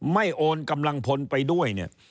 ไม่โอนกำลังพลไปด้วย